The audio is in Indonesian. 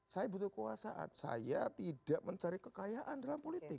saya butuh kekuasaan saya tidak mencari kekayaan dalam politik